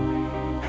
maafkan aku arimie